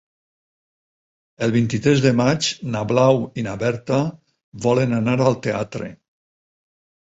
El vint-i-tres de maig na Blau i na Berta volen anar al teatre.